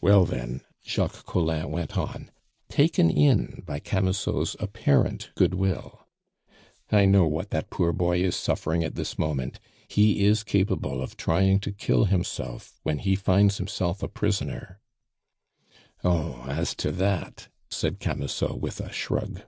"Well, then," Jacques Collin went on, taken in by Camusot's apparent goodwill, "I know what that poor boy is suffering at this moment; he is capable of trying to kill himself when he finds himself a prisoner " "Oh! as to that!" said Camusot with a shrug.